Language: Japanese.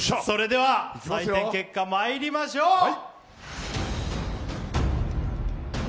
それでは採点結果まいりましょう！